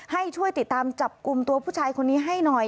ให้ช่วยติดตามจับกลุ่มตัวผู้ชายคนนี้ให้หน่อย